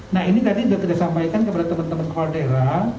nah ini tadi sudah saya sampaikan kepada teman teman sekolah daerah